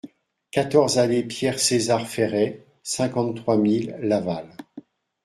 quatorze allée Pierre César Ferret, cinquante-trois mille Laval